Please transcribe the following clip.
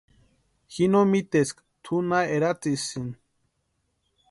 Ji no miteska tʼu na eratsisïni.